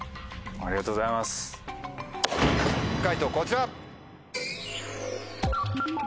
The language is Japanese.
解答こちら！